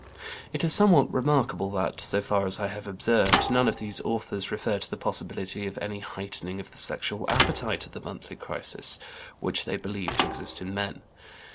It is somewhat remarkable that, so far as I have observed, none of these authors refer to the possibility of any heightening of the sexual appetite at the monthly crisis which they believe to exist in men.